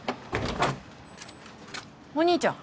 お兄ちゃん。